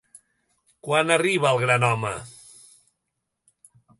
Quan arriba el gran home?